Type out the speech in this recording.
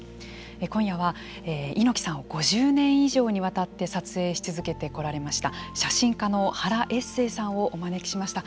今夜は猪木さんを５０年以上にわたって撮影し続けてこられました写真家の原悦生さんをお招きしました。